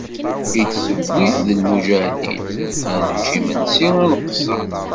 I d-tewwi d lmuǧahdin, ad nečč imensi ad nqesser.